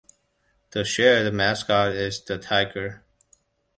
The shared mascot is the tiger.